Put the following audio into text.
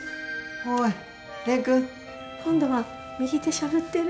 おい蓮くん！今度は右手しゃぶってる。